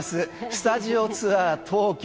スタジオツアー東京。